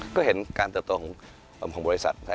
ก็เห็นการเติบตรงของบริษัท